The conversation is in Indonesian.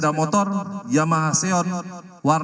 dan segera menemukan perang p pascal